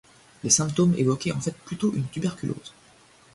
Les symptômes évoquaient en fait plutôt une tuberculose.